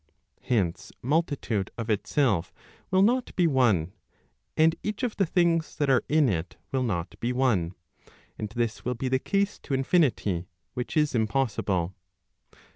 Hence, multitude of itself will not be one, and each of the things that are in it will not be one, and this will be the case to infinity, which is impossible.